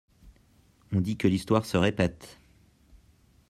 On dit que l’histoire se répète…